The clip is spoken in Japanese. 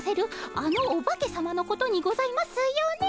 あのオバケさまのことにございますよね？